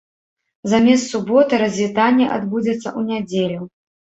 Замест суботы развітанне адбудзецца ў нядзелю.